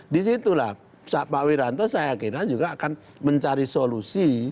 di situlah pak wiranto saya yakinlah juga akan mencari solusi